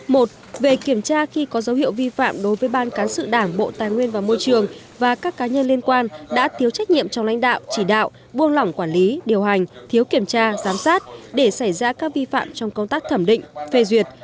một về kiểm tra khi có dấu hiệu vi phạm đối với ban cán sự đảng bộ tài nguyên và môi trường và các cá nhân liên quan đã thiếu trách nhiệm trong lãnh đạo chỉ đạo buông lỏng quản lý điều hành thiếu kiểm tra giám sát để xảy ra các vi phạm trong công tác thẩm định phê duyệt